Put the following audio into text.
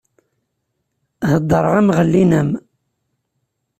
Heddreɣ-am ɣellin-am!